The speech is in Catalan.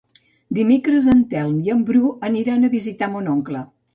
Dimecres en Telm i en Bru aniran a visitar mon oncle.